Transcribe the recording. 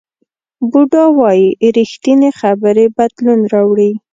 بودا وایي ریښتینې خبرې بدلون راوړي.